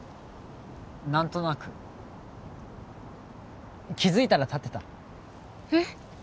何となく気づいたら立ってたえっ